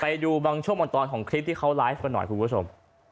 ไปดูบางช่วงบางตอนของคลิปที่เขาไลฟ์กันหน่อยคุณผู้ชม